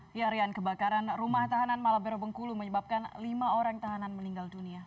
di harian kebakaran rumah tahanan malabero bengkulu menyebabkan lima orang tahanan meninggal dunia